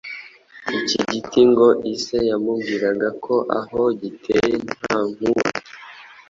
iki giti ngo ise yamubwiraga ko aho giteye nta nkuba